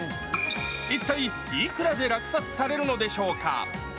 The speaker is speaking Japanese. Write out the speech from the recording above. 一体、いくらで落札されるのでしょうか。